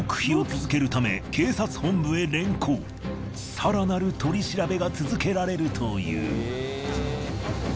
更なる取り調べが続けられるという。